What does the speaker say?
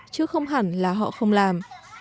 chứ không hẳn là họ không làm